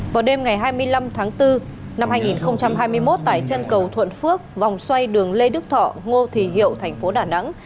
vào đêm ngày hai mươi năm tháng bốn năm hai nghìn hai mươi một tại chân cầu thuận phước vòng xoay đường lê đức thọ ngô thì hiệu thành phố đà nẵng